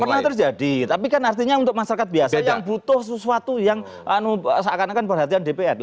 pernah terjadi tapi kan artinya untuk masyarakat biasa yang butuh sesuatu yang seakan akan perhatian dpr